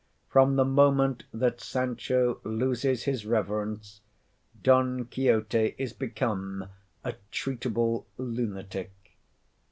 From the moment that Sancho loses his reverence, Don Quixote is become a—treatable lunatic.